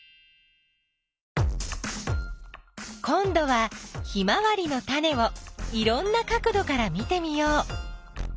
こんどはヒマワリのタネをいろんな角どから見てみよう。